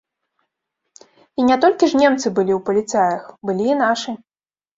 І не толькі ж немцы былі ў паліцаях, былі і нашы.